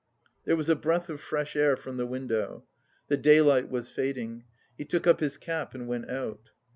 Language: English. There was a breath of fresh air from the window. The daylight was fading. He took up his cap and went out.